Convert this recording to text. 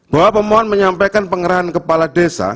bahwa pemohon menyampaikan pengerahan kepala desa